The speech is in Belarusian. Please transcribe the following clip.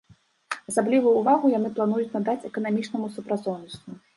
Асаблівую ўвагу яны плануюць надаць эканамічнаму супрацоўніцтву.